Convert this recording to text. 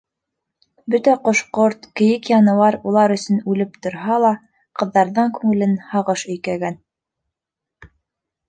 Бөтә ҡош-ҡорт, кейек-януар улар өсөн үлеп торһа ла, ҡыҙҙарҙың күңелен һағыш өйкәгән.